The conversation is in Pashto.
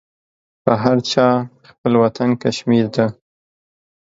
په هر چا خپل وطن کشمير ده.